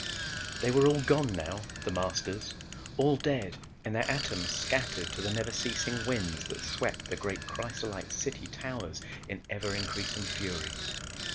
_ "They were all gone now, The Masters, all dead and their atoms scattered to the never ceasing winds that swept the great crysolite city towers in ever increasing fury.